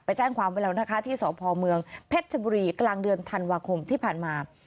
แจ้งความไว้แล้วนะคะที่สพเมืองเพชรชบุรีกลางเดือนธันวาคมที่ผ่านมา